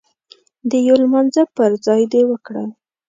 د يو لمانځه پر ځای دې وکړل.